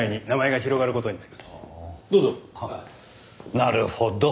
なるほど。